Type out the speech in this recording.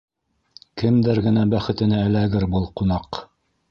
Кемдәр генә бәхетенә эләгер был «ҡунаҡ»?